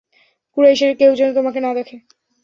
কুরাইশের কেউ যেন তোমাকে না দেখে।